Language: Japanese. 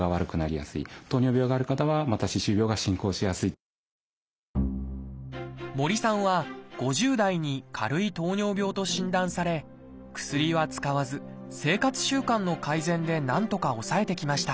でも森さんは５０代に軽い糖尿病と診断され薬は使わず生活習慣の改善でなんとか抑えてきました。